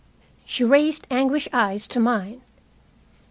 She raised anguished eyes to mine.